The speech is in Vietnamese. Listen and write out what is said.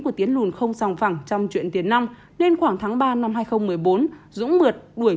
của tiến lùn không sòng phẳng trong chuyện tiền năm nên khoảng tháng ba năm hai nghìn một mươi bốn dũng mượt đuổi